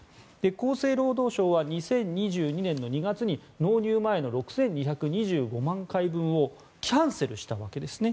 厚生労働省は２０２２年２月に納入前の６２２５万回分をキャンセルしたわけですね。